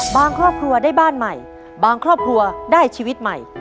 ครอบครัวได้บ้านใหม่บางครอบครัวได้ชีวิตใหม่